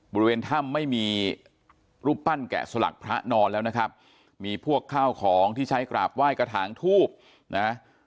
บริเวณถ้ำไม่มีรูปปั้นแกะสลักพระนอนแล้วนะครับมีพวกข้าวของที่ใช้กราบไหว้กระถางทูบนะ